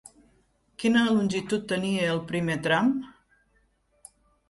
Quina longitud tenia el primer tram?